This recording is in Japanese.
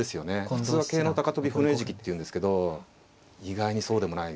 普通は「桂の高跳び歩の餌食」っていうんですけど意外にそうでもない。